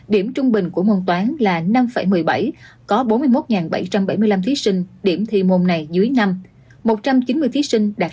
điểm trung bình của môn toán là năm một mươi bảy có bốn mươi một bảy trăm bảy mươi năm thí sinh điểm thi môn này dưới năm một trăm chín mươi thí sinh đạt sáu mươi